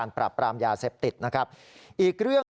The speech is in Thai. อีกเรื่องก็คือ